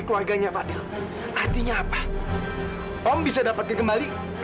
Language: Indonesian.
ternyata dugaan saya benar